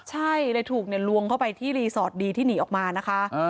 ใช่เลยถูกลวงเข้าไปที่รีสอร์ทดีที่หนีออกมานะคะ